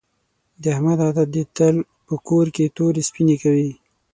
د احمد عادت دې تل په کور کې تورې سپینې کوي.